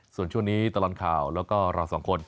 ส่วนช่วงนี้ตลอดข่าวแล้วก็เราสองคน